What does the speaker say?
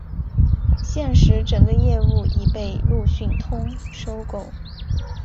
现时整个业务已被路讯通收购。